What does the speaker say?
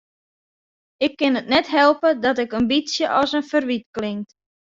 Ik kin it net helpe dat it in bytsje as in ferwyt klinkt.